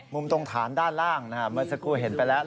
มุมตรงฐานด้านล่างเมื่อสักครู่เห็นไปแล้ว